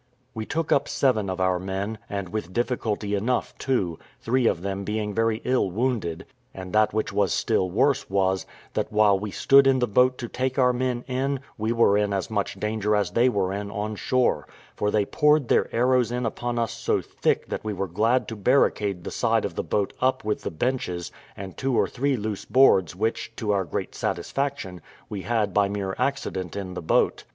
We took up seven of our men, and with difficulty enough too, three of them being very ill wounded; and that which was still worse was, that while we stood in the boat to take our men in, we were in as much danger as they were in on shore; for they poured their arrows in upon us so thick that we were glad to barricade the side of the boat up with the benches, and two or three loose boards which, to our great satisfaction, we had by mere accident in the boat.